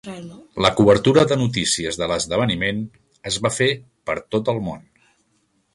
La cobertura de notícies de l'esdeveniment es va fer per tot el món.